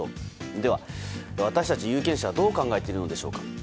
では、私たち有権者はどう考えているのでしょうか。